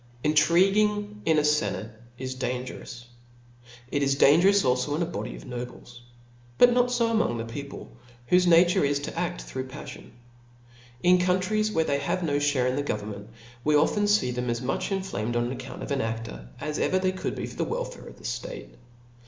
Intriguing in a fenate is dangerous ; dangerous it is alfo in a body of nobles ; but not fo in the people, whofe nature is to act through paflion. In countries where they have no (hare in the govern taent, we often fee them as much inflamed on the account of an aftor, as ever they could be for the welfare of the ftaitc.